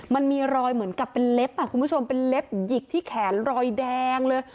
มันมีรอยเหมือนกับเป็นเล็บคุณผู้ชมเป็นเล็บหยิกที่แขนรอยแดงเลย